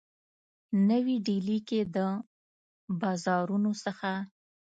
نوي ډیلي کي د بازارونو څخه